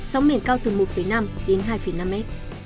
sóng biển cao từ một năm đến hai năm mét